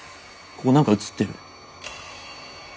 ここ何か映ってる。